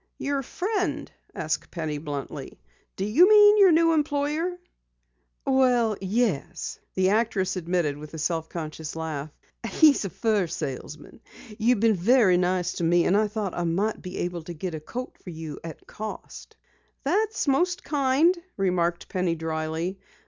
"Your friend?" asked Penny bluntly. "Do you mean your new employer?" "Well, yes," the actress admitted with a self conscious laugh. "He is a fur salesman. You've been very nice to me and I might be able to get a coat for you at cost." "That's most kind," remarked Penny dryly.